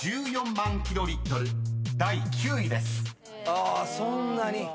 あそんなに。